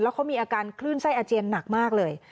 เขามีอาการคลื่นไส้อาเจียนหนักมากเลย